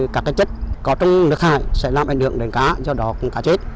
các chất có trong nước thải sẽ làm ảnh hưởng đến cá do đó cũng cá chết